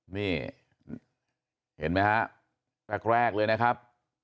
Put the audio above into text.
นี่เห็นไหมฮะแรกเลยนะครับ